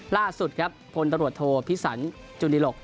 ล่าสุดครับพลตรวจโทษภิษศรรย์จุฬิหลก